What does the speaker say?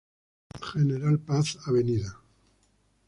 General Paz, Av.